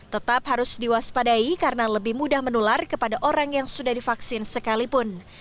tetap harus diwaspadai karena lebih mudah menular kepada orang yang sudah divaksin sekalipun